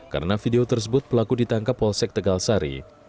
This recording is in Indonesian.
karena video tersebut pelaku ditangkap polsek tegal seri